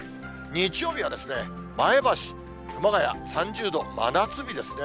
日曜日は前橋、熊谷３０度、真夏日ですね。